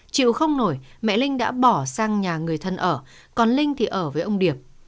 chịu không nổi mẹ linh đã bỏ sang nhà người thân ở còn linh thì ở với ông điệp